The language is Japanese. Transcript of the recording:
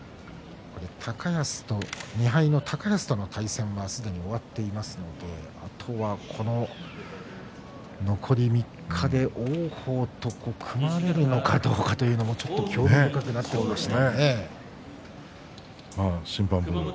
２敗の高安との対戦はすでに終わっていますのであとは残り３日で王鵬と組まれるのかどうかというのも、ちょっと興味深くなってきました。